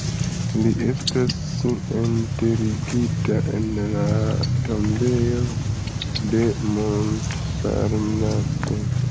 Li estas enterigita en la tombejo de Montparnasse.